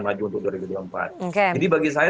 maju untuk dua ribu dua puluh empat jadi bagi saya